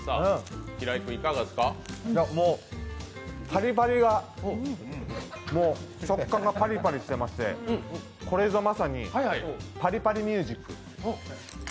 パリパリがもう食感がパリパリしてましてこれぞまさに、パリパリミュージック。